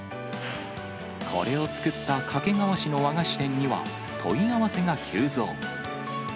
これを作った掛川市の和菓子店には、問い合わせが急増。